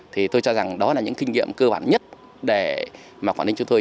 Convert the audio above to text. thì tôi cho rằng đó là những kinh nghiệm cơ bản nhất để quản linh chúng tôi